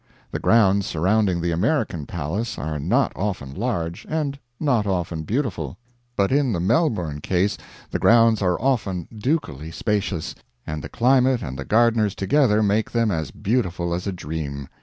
The grounds surrounding the American palace are not often large, and not often beautiful, but in the Melbourne case the grounds are often ducally spacious, and the climate and the gardeners together make them as beautiful as a dream.